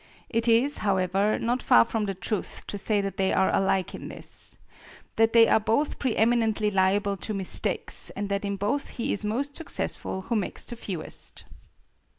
It is, however, not far from the truth to say that they are alike in this; that they are both preëminently liable to mistakes, and that in both he is most successful who makes the fewest.